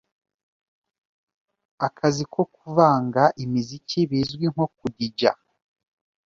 akazi ko kuvanga imiziki, bizwi nko “kudija”